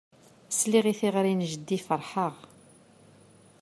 Sliɣ i teɣri n jeddi ferḥeɣ.